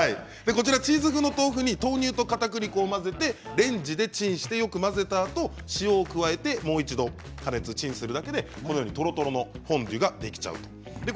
チーズ風の豆腐に豆乳とかたくり粉を混ぜてレンジでチンしてよく混ぜたあと塩を加えて、もう一度加熱するだけで、とろとろのフォンデュができちゃいます。